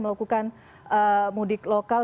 melakukan mudik lokal